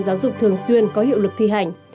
giáo dục thường xuyên có hiệu lực thi hành